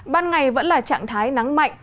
ban ngày vẫn là trạng thái nắng mạnh